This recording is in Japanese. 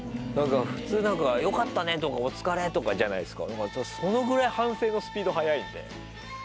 普通よかったね！とかお疲れ！とかじゃないですか。